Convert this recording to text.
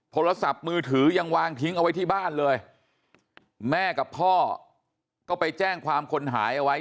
โทรศัพท์มือถือยังวางทิ้งเอาไว้ที่บ้านเลยแม่กับพ่อก็ไปแจ้งความคนหายเอาไว้